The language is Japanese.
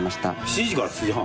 ７時から７時半？